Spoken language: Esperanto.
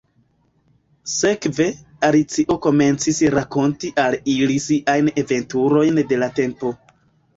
Sekve, Alicio komencis rakonti al ili siajn aventurojn de la tempo.